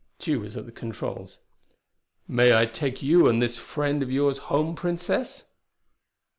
Tugh was at the controls. "May I take you and this friend of yours home, Princess?"